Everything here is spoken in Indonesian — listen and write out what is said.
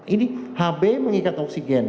ini hb mengikat oksigen